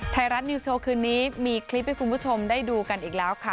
ไทยรัฐนิวสโชว์คืนนี้มีคลิปให้คุณผู้ชมได้ดูกันอีกแล้วค่ะ